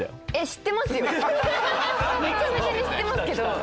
めちゃめちゃに知ってますけど。